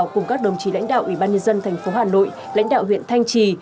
cùng các đồng chí lãnh đạo ủy ban nhân dân thành phố hà nội lãnh đạo huyện thanh trì